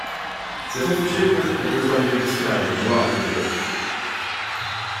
Cette réfugiée est comptée pour deux arrivées d'esclaves noirs au Québec.